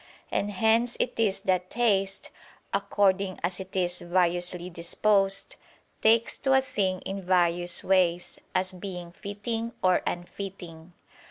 And hence it is that taste, according as it is variously disposed, takes to a thing in various ways, as being fitting or unfitting.